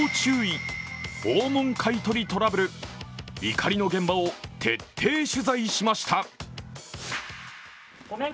怒りの現場を徹底取材しました。